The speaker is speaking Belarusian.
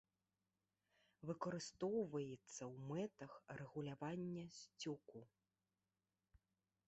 Выкарыстоўваецца ў мэтах рэгулявання сцёку.